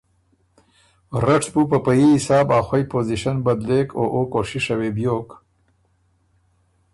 رټ بُو په په يي حساب ا خوئ پوزیشن بدلېک او او کوشِشه وې بیوک